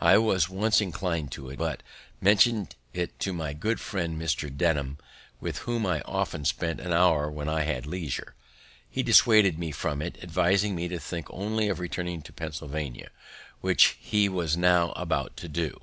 I was once inclined to it; but, mentioning it to my good friend Mr. Denham, with whom I often spent an hour when I had leisure, he dissuaded me from it, advising me to think only of returning to Pennsylvania, which he was now about to do.